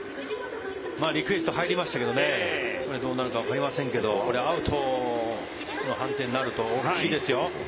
リクエストが入りましたけどどうなるかわかりませんけどこれ、アウトの判定になると大きいですよ。